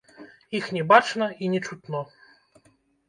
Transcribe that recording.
Іх не бачна і не чутно.